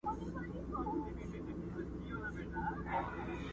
خلک يې يادونه کوي ډېر